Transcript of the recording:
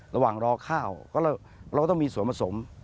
ระหว่างรอข้าวเราก็ต้องมีส่วนผสม